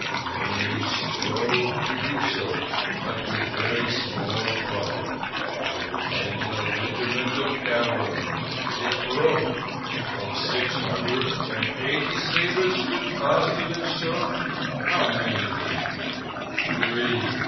"Many strove to do so, but with very small profit. I was then in a regiment of cavalry. It broke. Of six hundred and eighty sabres stood fast to their salt—how many, think you? Three.